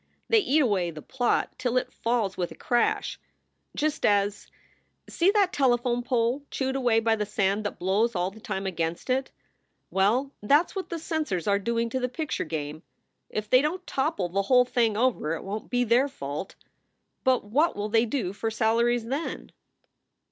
They eat away the plot till it falls with a crash just as see that telephone pole chewed away by the sand that blows all the time against it? Well, that s what the censors are doing to the picture game. If they don t topple the whole thing over it won t be their fault. But what will they do for salaries, then?